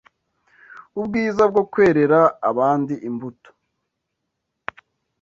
Ubwiza bwo kwerera abandi imbuto